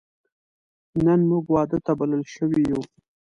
نن موږ واده ته بلل شوی یو